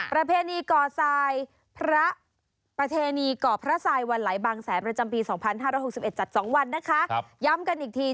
ประเพณีก่อทรายพระประเพณีก่อพระทรายวันไหลบางแสนประจำปี๒๕๖๑จัด๒วันนะคะย้ำกันอีกที